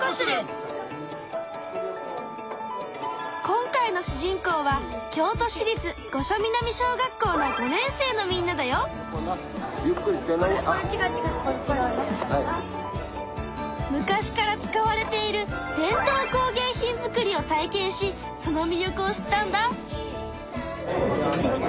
今回の主人公は昔から使われている伝統工芸品作りを体験しその魅力を知ったんだ。